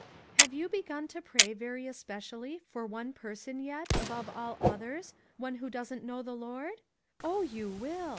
Have you begun to pray very especially for one person yet, above all others, one who doesn't know the Lord? Oh, you will